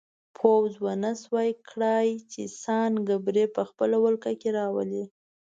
پوځ ونه شوای کړای چې سان ګبریل په خپله ولکه کې راولي.